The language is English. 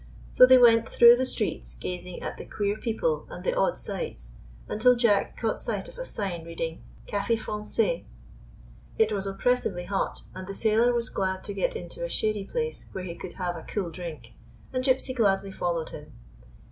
So they went through the streets gazing at the queer people and the odd sights, until Jack caught sight of a sign reading: " Cafe 150 IN A STRANGE LAND Frangais." It was oppressively hot, and the sailor was glad to get into a shady place where he could have a cool drink, and Gypsy gladly followed him.